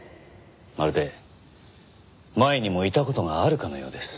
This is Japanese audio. まるで前にもいた事があるかのようです。